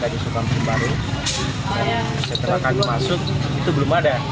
ada di sopan pembalut setelah kami masuk itu belum ada